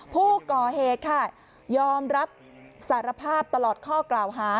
ผู้ก่อเหตุค่ะยอมรับสารภาพตลอดข้อกล่าวหา